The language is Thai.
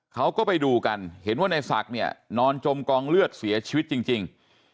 เขาก็ไปดูกันเห็นว่าในศักดิ์เนี่ยนอนจมกองเลือดเสียชีวิตจริง